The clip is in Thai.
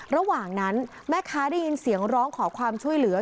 ระหว่างนั้นแม่ค้าได้ยินเสียงร้องขอความช่วยเหลือ